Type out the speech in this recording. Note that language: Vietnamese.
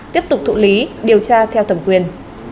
tiếp tục thụ lý điều tra theo tầm quyền